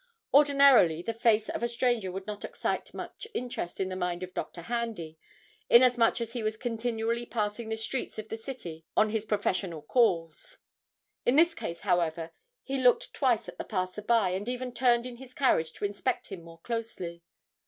Ordinarily the face of a stranger would not excite much interest in the mind of Dr. Handy, inasmuch as he was continually passing the streets of the city on his professional calls. In this case, however, he looked twice at the passerby, and even turned in his carriage to inspect him more closely.